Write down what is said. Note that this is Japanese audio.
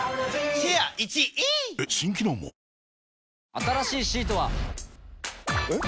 新しいシートは。えっ？